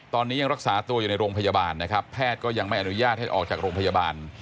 ตอนนี้ยังรักษาตัวอยู่ในโรงพยาบาลนะครับแพทย์ก็ยังไม่อนุญาตให้ออกจากโรงพยาบาล